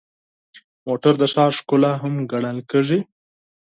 موټر د ښار ښکلا هم ګڼل کېږي.